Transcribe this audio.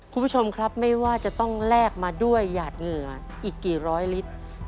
คุณผู้ชมครับไม่ว่าจะต้องแลกมาด้วยหยาดเหงื่ออีกกี่ร้อยลิตร